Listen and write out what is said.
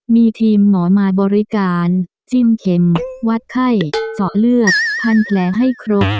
มีทีมหมอมาบริการจิ้มเข็มวัดไข้เจาะเลือดพันแผลให้ครบ